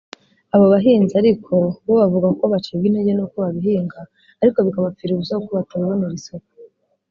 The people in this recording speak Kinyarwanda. Abo bahinzi ariko bo bavuga ko bacibwa intege n’uko babihinga ariko bikabapfira ubusa kuko batabibonera isoko